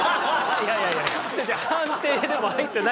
いやいやいやいや。